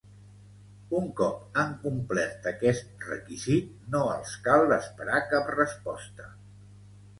Un cop han complert aquest requisit, no els cal esperar cap resposta.